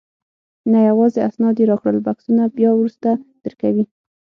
نه، یوازې اسناد یې راکړل، بکسونه بیا وروسته درکوي.